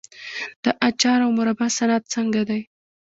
د اچار او مربا صنعت څنګه دی؟